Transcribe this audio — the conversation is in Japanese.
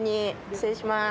失礼します。